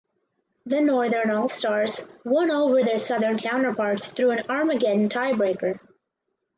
The Northern All Stars won over their Southern counterparts through an Armageddon tiebreaker.